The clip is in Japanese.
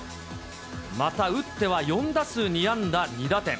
また打っては４打数２安打２打点。